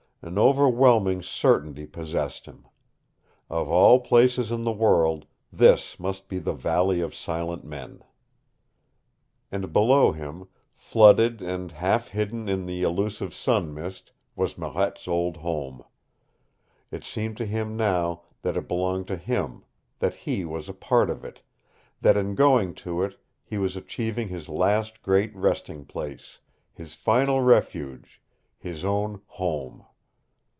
An overwhelming certainty possessed him. Of all places in the world this must be the Valley of Silent Men. And below him, flooded and half hidden in the illusive sun mist, was Marette's old home. It seemed to him now that it belonged to him, that he was a part of it, that in going to it he was achieving his last great resting place, his final refuge, his own home.